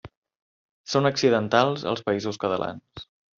Són accidentals als Països Catalans.